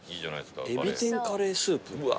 「エビ天カレースープ」